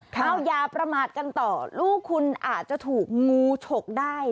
เอาอย่าประมาทกันต่อลูกคุณอาจจะถูกงูฉกได้